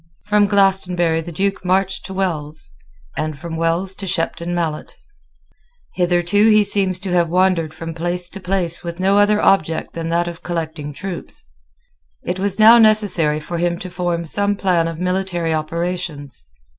From Glastonbury the Duke marched to Wells, and from Wells to Shepton Mallet. Hitherto he seems to have wandered from place to place with no other object than that of collecting troops. It was now necessary for him to form some plan of military operations.